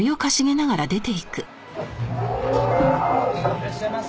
いらっしゃいませ！